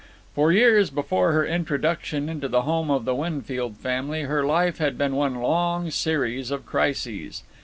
For years before her introduction into the home of the Winfield family her life had been one long series of crises.